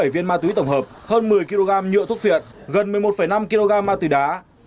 năm trăm ba mươi bảy tám mươi bảy viên ma túy tổng hợp hơn một mươi kg nhựa thuốc phiện gần một mươi một năm kg ma túy đá